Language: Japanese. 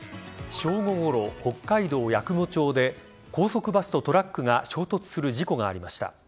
正午ごろ北海道八雲町で高速バスとトラックが衝突する事故がありました。